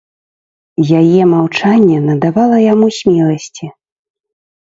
Яе маўчанне надавала яму смеласці.